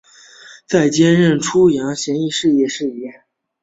再任监督出洋肄业事宜。